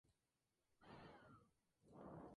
Esta reacción se denomina Reacción de Maillard.